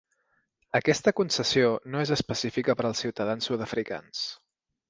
Aquesta concessió no és específica per als ciutadans sud-africans.